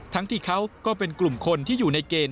ที่เขาก็เป็นกลุ่มคนที่อยู่ในเกณฑ์